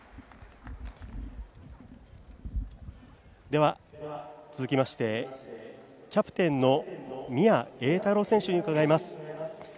では、続きましてキャプテンの宮栄太朗選手に伺います。